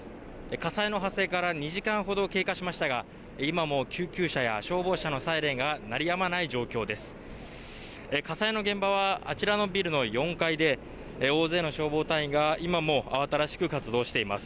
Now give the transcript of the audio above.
火災の発生から２時間ほど経過しましたが今も救急車や消防車のサイレンが鳴りやまない状況です。